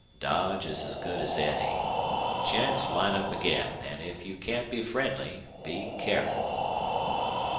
"Dodge's as good as any.... Gents, line up again an' if you can't be friendly, be careful!"